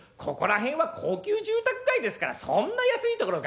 ここら辺は高級住宅街ですからそんな安い所